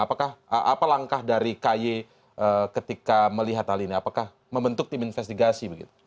apakah apa langkah dari ky ketika melihat hal ini apakah membentuk tim investigasi begitu